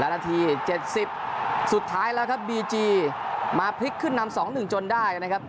นาทีเจ็ดสิบสุดท้ายแล้วครับบีจีมาพลิกขึ้นน้ำสองหนึ่งจนได้นะครับ